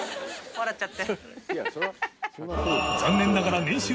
笑っちゃった。